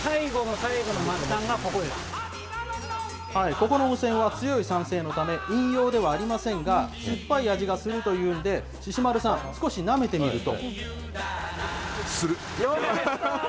ここの温泉は強い酸性のため、飲用ではありませんが、酸っぱい味がするというので、志獅丸さん、少しなめてみると。